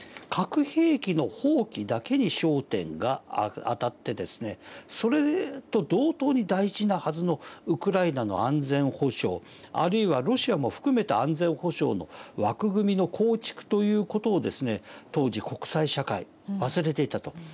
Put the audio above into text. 核兵器の放棄だけに焦点があたってですねそれと同等に大事なはずのウクライナの安全保障あるいはロシアも含めた安全保障の枠組みの構築という事をですね当時国際社会忘れていたと。